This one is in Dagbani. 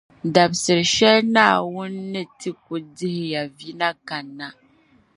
Dabsili shɛli Naawuni ni ti ku dihi ya vi na kani na